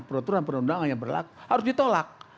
peraturan perundangan yang berlaku harus ditolak